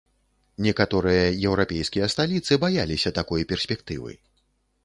Некаторыя еўрапейскія сталіцы баяліся такой перспектывы.